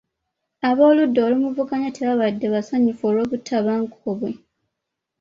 Abooludda olumuvuganya tebaabadde basanyufu olw'obutabanguko bwe.